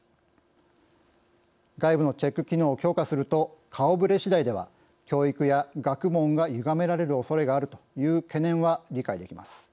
外部のチェック機能を強化すると顔ぶれしだいでは教育や学問がゆがめられるおそれがあるという懸念は理解できます。